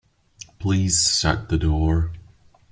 Please shut the door.